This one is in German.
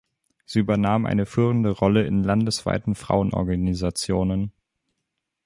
Sie übernahm eine führende Rolle in landesweiten Frauenorganisationen.